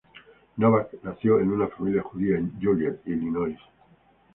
Novak nació en una familia judía en Joliet, Illinois.